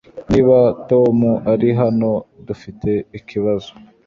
Niba Tom ari hano, dufite ikibazo.